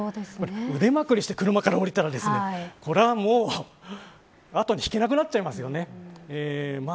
腕まくりして車から降りたらこれはもう後に引けなくなっちゃいますよね。